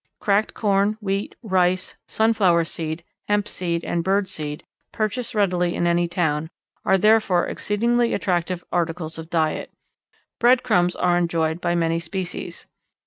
Cracked corn, wheat, rice, sunflower seed, hemp seed, and bird seed, purchased readily in any town, are, therefore, exceedingly attractive articles of diet. Bread crumbs are enjoyed by many species.